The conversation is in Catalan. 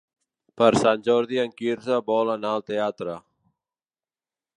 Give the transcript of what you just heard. Per Sant Jordi en Quirze vol anar al teatre.